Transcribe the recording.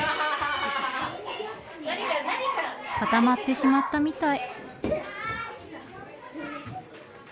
固まってしまったみたい。